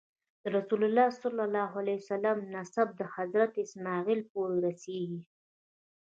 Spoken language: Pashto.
د رسول الله نسب تر حضرت اسماعیل پورې رسېږي.